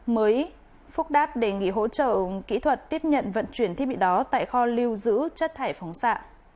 mới phúc đáp đề nghị hỗ trợ kỹ thuật tiếp nhận vận chuyển thiết bị đó tại kho lưu giữ chất thải phóng xạ